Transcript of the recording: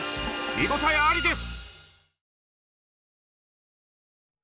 見応えありです。